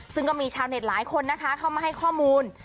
ซึ่งก็มีชาวเน็ตหลายคนนะคะเข้ามาให้ข้อมูล